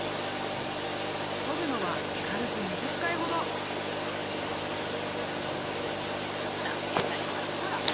とぐのは軽く２０回ほどほらキレイになりましたほら。